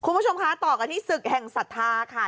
คุณผู้ชมคะต่อกันที่ศึกแห่งศรัทธาค่ะ